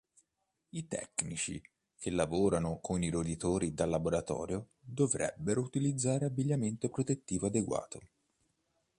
I tecnici che lavorano con i roditori da laboratorio dovrebbero utilizzare abbigliamento protettivo adeguato.